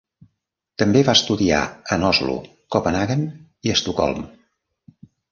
També va estudiar en Oslo, Copenhaguen i Estocolm.